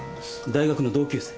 大学の同級生？